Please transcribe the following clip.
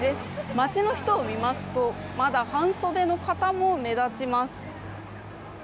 街の人を見ますとまだ半袖の方も目立ちます。